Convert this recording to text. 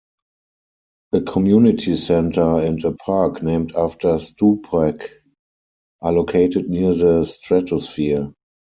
A community center and a park named after Stupak are located near the Stratosphere.